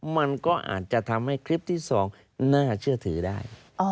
มันก็อาจจะทำให้คลิปที่๒น่าเชื่อถือได้